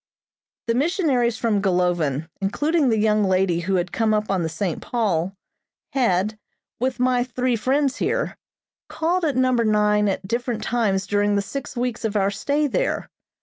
The missionaries from Golovin, including the young lady who had come up on the "St. Paul," had, with my three friends here, called at Number Nine at different times during the six weeks of our stay there.